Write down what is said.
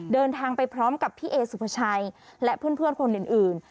เดินทางไปพร้อมกับพี่เอสุภาชัยและเพื่อนคนอื่น